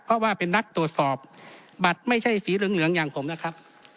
เพราะว่าเป็นนักตรวจสอบบัตรไม่ใช่สีเหลืองอย่างผมนะครับ